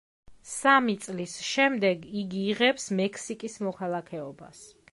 სამი წლის შემდეგ იგი იღებს მექსიკის მოქალაქეობას.